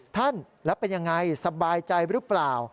ท่านแล้วเป็นยังไงสบายใจหรือเปล่า